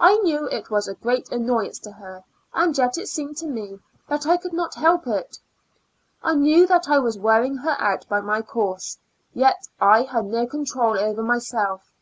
I knew it was a great annoyance to her, and yet it seemed to me that I could not help it. I knew that I was wearing her out by my course, yet I had no control IN A Lunatic Asylum. \^ over myself.